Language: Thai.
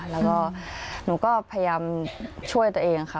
แล้วก็หนูก็พยายามช่วยตัวเองค่ะ